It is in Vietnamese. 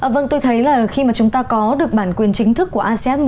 vâng tôi thấy là khi mà chúng ta có được bản quyền chính thức của asean một mươi tám